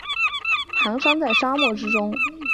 蹒跚在沙漠之中